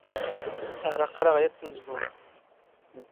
ⴰⵔ ⴰⵇⵇⵔⴰⵖ ⵢⴰⵜ ⵜⵎⵣⴳⵓⵏⵜ.